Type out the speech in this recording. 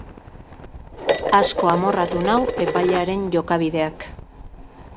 Asko amorratu nau epailearen jokabideak.